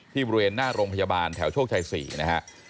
บริเวณหน้าโรงพยาบาลแถวโชคชัย๔นะฮะ